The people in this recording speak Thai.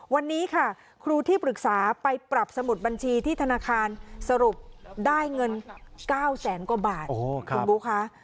วันนี้ค่ะครูที่ปรึกษาไปปรับสมุดบัญชีที่ธนาคารสรุปได้เงิน๙แสนกว่าบาทคุณบุ๊คะ